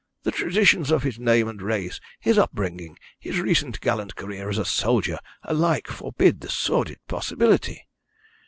"The traditions of his name and race, his upbringing, his recent gallant career as a soldier, alike forbid the sordid possibility.